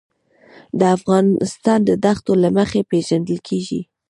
افغانستان د دښتو له مخې پېژندل کېږي.